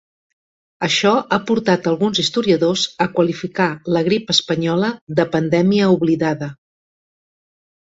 Això ha portat a alguns historiadors a qualificar la grip espanyola de "pandèmia oblidada"